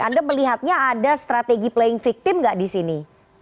anda melihatnya ada strategi playing victim gak disini